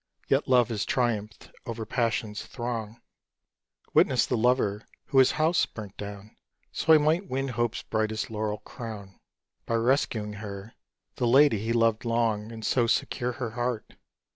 Yet love has triumphed over passion's throng: Witness the lover, who his house burnt down, So he might win Hope's brightest laurel crown, By rescuing her, the lady he'd loved long, And so secure her heart.